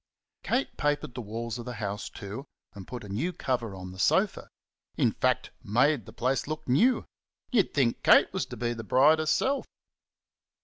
Kate papered the walls of the house, too, and put a new cover on the sofa in fact, made the place look new. You'd think Kate was to be the bride herself!